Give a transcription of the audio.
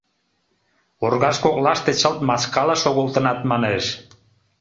Оргаж коклаште чылт маскала шогылтынат, манеш.